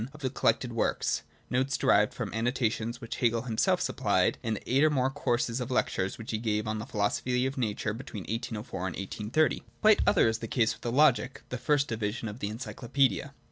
of the Collected works — notes derived from the annotations which Hegel himself supplied in the eight or more courses of lectures which he gave on the Philosophy of Nature between 1804 and 1830. Quite other is the case with the Logic— the first division of the Encyclopaedia.